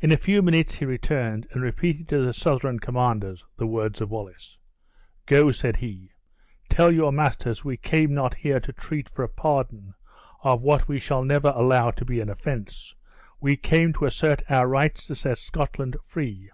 In a few minutes he returned, and repeated to the Southron commanders the words of Wallace: "Go," said he, "tell your masters we came not here to treat for a pardon of what we shall never allow to be an offense; we came to assert our rights to set Scotland free.